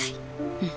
うん。